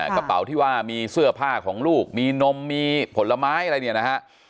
กระเป๋าที่ว่ามีเสื้อผ้าของลูกมีนมมีผลไม้อะไรเนี่ยนะฮะ